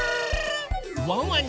ワンワン